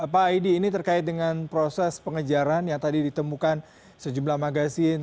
pak aidi ini terkait dengan proses pengejaran yang tadi ditemukan sejumlah magasin